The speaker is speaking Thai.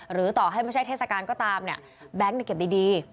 ต่อให้ไม่ใช่เทศกาลก็ตามเนี่ยแบงค์เก็บดี